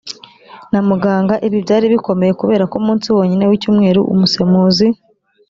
na muganga ibi byari bikomeye kuberako umunsi wonyine w icyumweru umusemuzi